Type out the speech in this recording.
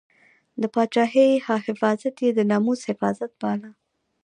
د پاچاهۍ حفاظت یې د ناموس حفاظت باله.